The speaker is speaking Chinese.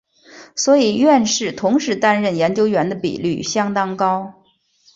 所以院士同时担任研究员的比率相当高。